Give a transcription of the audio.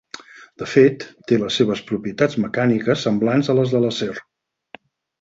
De fet, té les seves propietats mecàniques semblants a les de l'acer.